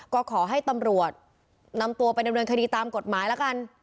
ก็ขอให้ตำรวจนำตัวไปดำเนินคดีตามกฎหมายแล้วกัน